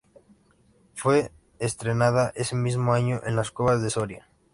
Fue estrenada ese mismo año en Las Cuevas de Soria.